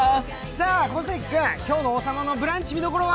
小関君、今日の「王様のブランチ」の見どころは。